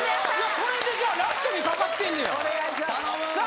これでじゃあラストに懸かってんねやさあ